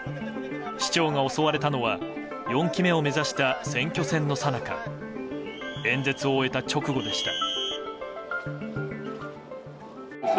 市長が襲われたのは４期目を目指した選挙戦のさなか演説を終えた直後でした。